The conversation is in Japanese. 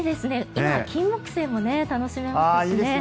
今、キンモクセイも楽しめますしね。